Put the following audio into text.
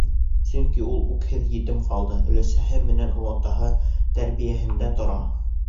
Сөнки ул үкһеҙ етем ҡалды, өләсәһе менән олатаһы тәрбиәһендә тора.